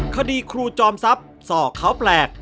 คดีครูจอมทรัพย์สอกเขาแปลก